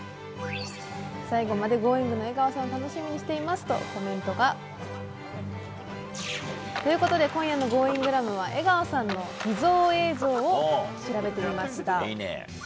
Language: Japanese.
最後まで「Ｇｏｉｎｇ！」の江川さんを楽しみにしていますとコメントが。ということで今夜のＧｏｉｎｇｒａｍは江川さんの秘蔵映像を調べてみました。